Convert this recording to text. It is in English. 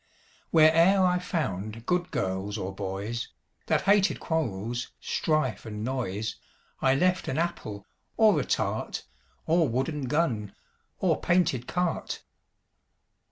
Where e'er I found good girls or boys, That hated quarrels, strife and noise, I left an apple, or a tart, Or wooden gun, or painted cart.